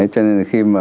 cho nên là khi mà